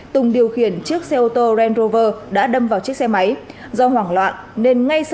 tùng điều khiển chiếc xe ô tô range rover đã đâm vào chiếc xe máy